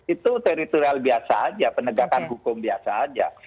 itu teritorial biasa aja penegakan hukum biasa aja